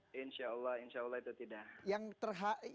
insya allah insya allah itu tidak